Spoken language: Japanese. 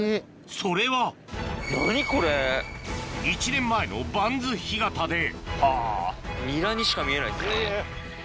それは１年前の盤洲干潟でニラにしか見えないですね。